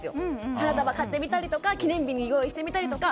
花束買ってみたりとか記念日に用意してみたりとか。